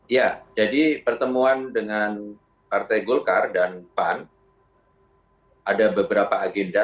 ya jadi pertemuan dengan partai golkar dan pan ada beberapa agenda